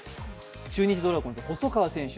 中日ドラゴンズ、細川選手